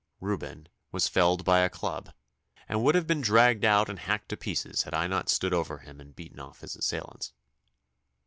Reuben was felled by a club, and would have been dragged out and hacked to pieces had I not stood over him and beaten off his assailants.